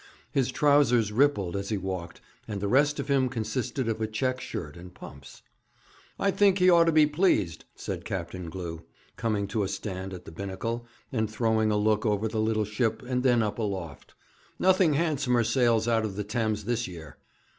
His trousers rippled as he walked, and the rest of him consisted of a check shirt and pumps. 'I think he ought to be pleased,' said Captain Glew, coming to a stand at the binnacle, and throwing a look over the little ship and then up aloft; 'nothing handsomer sails out of the Thames this year.'